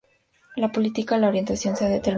La política, la orientación, se ha determinado.